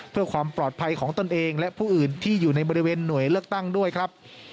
เพื่อความปลอดภัยของตนเองและผู้อื่นที่อยู่ในบริเวณหน่วยเลือกตั้งด้วยครับ